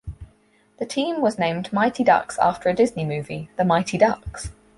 The team was named Mighty Ducks after a Disney movie, The Mighty Ducks.